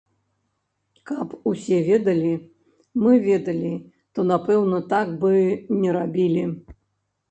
Каб усе ведалі, мы ведалі, то, напэўна, так бы не рабілі.